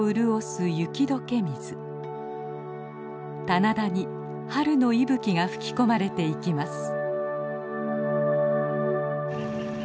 棚田に春の息吹きが吹き込まれていきます。